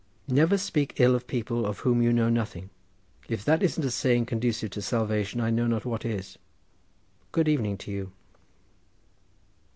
Never speak ill of people of whom you know nothing. If that isn't a saying conducive to salvation I know not what is. Good evening to you."